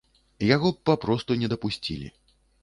Яго б папросту не дапусцілі.